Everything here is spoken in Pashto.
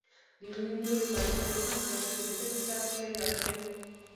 د مينې نورې ملګرې هم د هغې ليدلو ته تلې راتلې